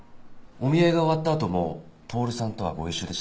お見合いが終わったあとも透さんとはご一緒でしたか？